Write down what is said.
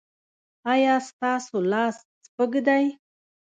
ایا ستاسو لاس سپک دی؟